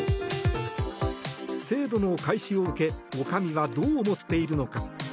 制度の開始を受け女将はどう思っているのか。